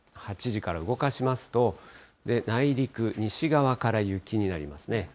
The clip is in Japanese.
８時から動かしますと、内陸、西側から雪になりますね。